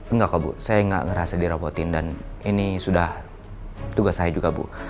enggak kok bu saya nggak ngerasa dirobotin dan ini sudah tugas saya juga bu